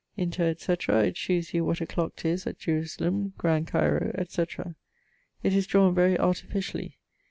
Inter etc. it shewes you what a clock 'tis at Jerusalem, Gran Cairo, etc. It is drawen very artificially.